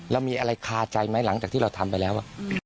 เรามีอะไรคาใจไหมหลังจากที่เราทำไปแล้ว